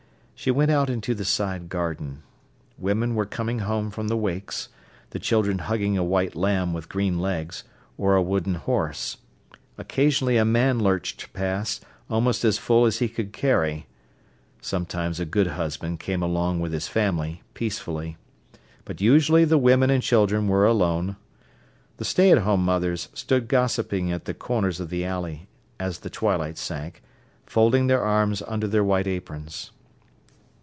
She went out into the side garden. Women were coming home from the wakes, the children hugging a white lamb with green legs, or a wooden horse. Occasionally a man lurched past, almost as full as he could carry. Sometimes a good husband came along with his family, peacefully. But usually the women and children were alone. The stay at home mothers stood gossiping at the corners of the alley, as the twilight sank, folding their arms under their white aprons.